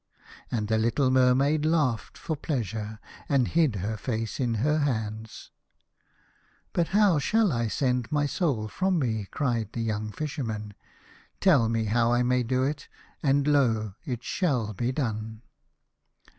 And the little Mermaid laughed forpleasure, and hid her face in her hands. " But how shall I send my soul from me ?" cried the young Fisherman. " Tell me how I may do it, and lo ! it shall be done."